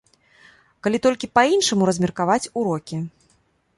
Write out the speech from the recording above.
Калі толькі па-іншаму размеркаваць урокі.